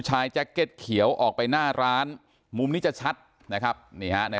แจ็คเก็ตเขียวออกไปหน้าร้านมุมนี้จะชัดนะครับนี่ฮะใน